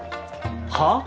はあ？